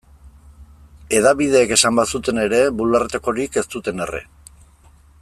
Hedabideek esan bazuten ere, bularretakorik ez zuten erre.